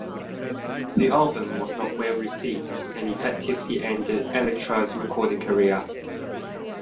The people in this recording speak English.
The album was not well received and effectively ended Electra's recording career.